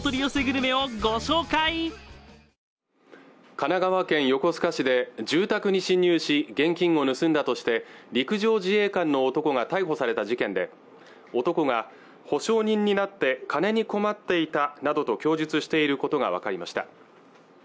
神奈川県横須賀市で住宅に侵入し現金を盗んだとして陸上自衛官の男が逮捕された事件で男が保証人になって金に困っていたなどと供述していることが分かりました